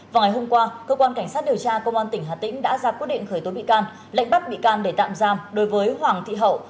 vào ngày hôm qua cơ quan cảnh sát điều tra công an tỉnh hà tĩnh đã ra quyết định khởi tố bị can lệnh bắt bị can để tạm giam đối với hoàng thị hậu